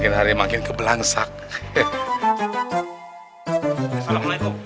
semua masalah kita itu beres bi